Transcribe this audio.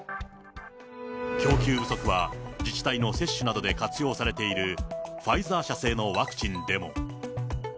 供給不足は、自治体の接種などで活用されている、ファイザー社製のワクチンでも。